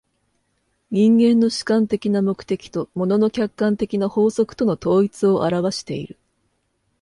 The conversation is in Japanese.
人間の主観的な目的と物の客観的な法則との統一を現わしている。